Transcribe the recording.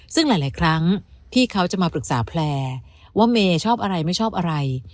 ซึ่งหลายครั้งที่เขาจะมาปรึกษาแพลร์ว่าเมย์ชอบอะไรไม่ชอบอะไร